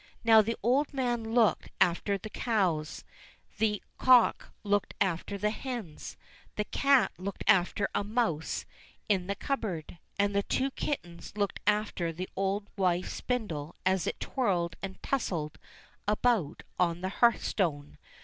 Now the old man looked after the cows, the cock looked after the hens, the cat looked after a mouse in the cupboard, and the two kittens looked after the old wife's spindle as it twirled and tussled about on the hearthstone.